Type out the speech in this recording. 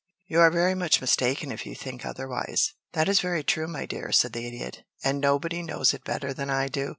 You are very much mistaken if you think otherwise." "That is very true, my dear," said the Idiot. "And nobody knows it better than I do.